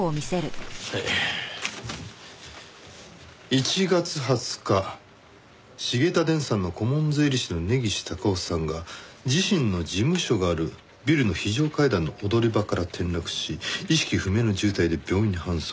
「１月２０日繁田電産の顧問税理士の根岸隆雄さんが自身の事務所があるビルの非常階段の踊り場から転落し意識不明の重体で病院に搬送」